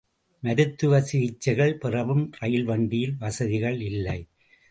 மருத்துவ சிகிச்சைகள் பெறவும் ரயில் வண்டியில் வசதிகள் இல்லை.